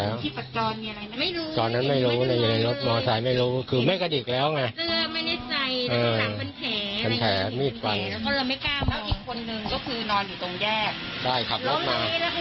แล้วเขาจะหาว่าอยู่ในกลุ่มกลัวเขาจะ